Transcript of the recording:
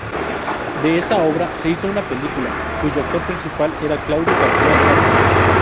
De esta obra se hizo una película, cuyo actor principal era Claudio García Satur.